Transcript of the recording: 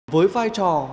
với vai trò